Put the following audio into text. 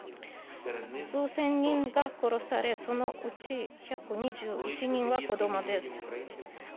数千人が殺され、そのうち１２１人は子供です。